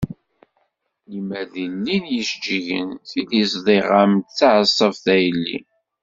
Limer di llin yijeǧǧigen tili ẓdiɣ-am-d taɛeṣṣabt a yelli.